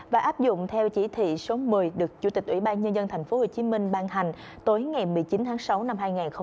và áp dụng theo chỉ thị số một mươi được chủ tịch ủy ban nhân dân tp hcm ban hành tối ngày một mươi chín tháng sáu năm hai nghìn hai mươi